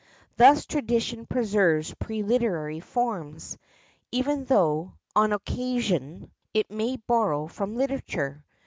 Thus tradition preserves pre literary forms, even though, on occasion, it may borrow from literature.